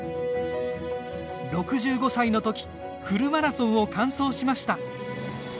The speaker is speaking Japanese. ６５歳のときフルマラソンを完走しました。